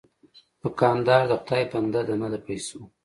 دوکاندار د خدای بنده دی، نه د پیسو.